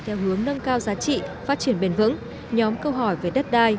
theo hướng nâng cao giá trị phát triển bền vững nhóm câu hỏi về đất đai